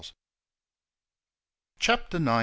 Chapter XIX.